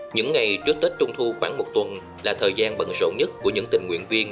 những ngày trước tết trung thu khoảng một tuần là thời gian bận rộn nhất của những tình nguyện viên